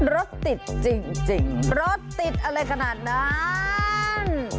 รถติดจริงรถติดอะไรขนาดนั้น